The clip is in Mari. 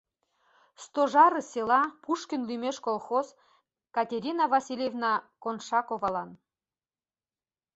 «Стожары села, Пушкин лӱмеш колхоз, Катерина Васильевна Коншаковалан».